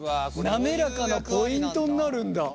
滑らかなポイントになるんだ。